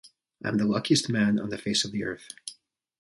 I'm the luckiest man on the face of the earth.